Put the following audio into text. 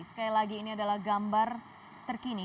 sekali lagi ini adalah gambar terkini